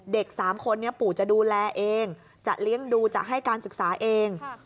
เด็กสามคนเนี่ยปู่จะดูแลเองจะเลี้ยงดูจะให้การศึกษาเองค่ะ